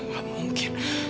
lah gak mungkin